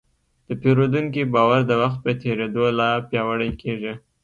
د پیرودونکي باور د وخت په تېرېدو لا پیاوړی کېږي.